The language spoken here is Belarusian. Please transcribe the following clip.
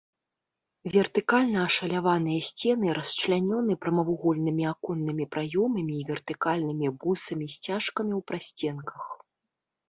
Вертыкальна ашаляваныя сцены расчлянёны прамавугольнымі аконнымі праёмамі і вертыкальнымі бусамі-сцяжкамі ў прасценках.